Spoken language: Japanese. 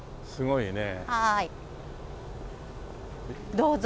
どうぞ。